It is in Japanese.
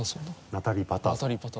ナタリー・パターソン。